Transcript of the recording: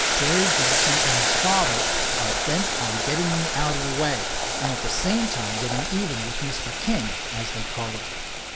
"Jerry Dawson and his father are bent on getting me out of the way, and at the same time getting even with Mr. King, as they call it.